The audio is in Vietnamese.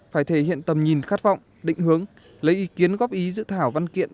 phải thể hiện tầm nhìn khát vọng định hướng lấy ý kiến góp ý dự thảo văn kiện